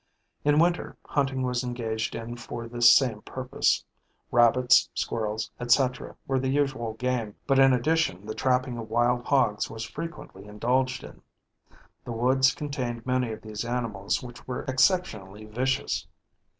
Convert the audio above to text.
In winter hunting was engaged in for this same purpose. Rabbits, squirrels, etc., were the usual game, but in addition the trapping of wild hogs was frequently indulged in. The woods contained many of these animals which were exceptionally vicious.